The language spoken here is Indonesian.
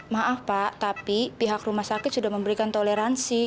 maaf pak tapi pihak rumah sakit sudah memberikan toleransi